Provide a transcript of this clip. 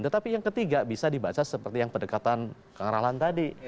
tetapi yang ketiga bisa dibaca seperti yang pendekatan kang ralan tadi